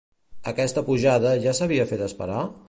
Aquesta pujada ja s'havia fet esperar?